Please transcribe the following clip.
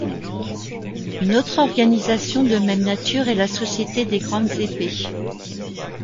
Une autre organisation de même nature est la société des grandes épées.